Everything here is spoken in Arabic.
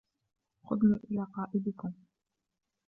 خذني إلى قائدكم.